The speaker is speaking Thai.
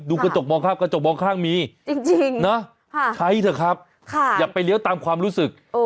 ดูกระจกมองข้างมีจริงใช้เถอะครับอย่าไปเลี้ยวตามความรู้สึก